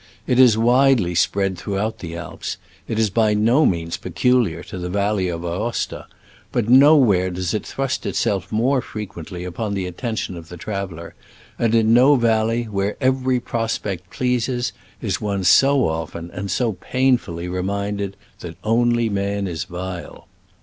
It is wide ly spread throughout the Alps, it is by no means peculiar to the valley of Aosta, but nowhere does it thrust itself more frequently upon the attention of the traveler, and in no valley where "every prospect pleases '* is one so often and so painfully reminded that "only man is vile."